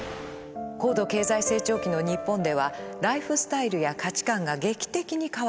高度経済成長期の日本ではライフスタイルや価値観が劇的に変わっていきました。